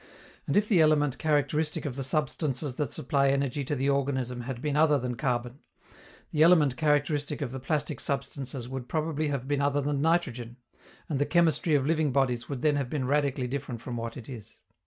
And if the element characteristic of the substances that supply energy to the organism had been other than carbon, the element characteristic of the plastic substances would probably have been other than nitrogen, and the chemistry of living bodies would then have been radically different from what it is.